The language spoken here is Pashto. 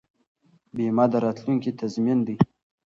بیمه د راتلونکي تضمین دی.